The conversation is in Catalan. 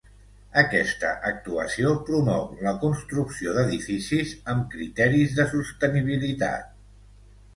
Aquesta actuació promou la construcció d’edificis amb criteris de sostenibilitat.